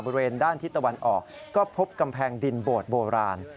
บริเวณด้านทิศตะวันออกก็พบกำแพงดินโบดโบราณ